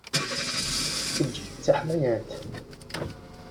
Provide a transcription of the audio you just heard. Eǧǧ-itt d taḥmayant.